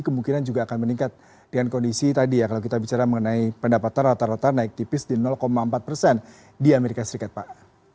kemungkinan juga akan meningkat dengan kondisi tadi ya kalau kita bicara mengenai pendapatan rata rata naik tipis di empat persen di amerika serikat pak